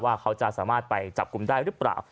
ว่าจะสามารถไปจับกลุ่มได้หรือเปล่า